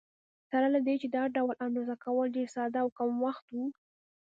سره له دې چې دا ډول اندازه کول ډېر ساده او کم دقت و.